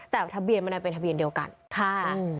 แต่ทะเบียนมันดันเป็นทะเบียนเดียวกันค่ะ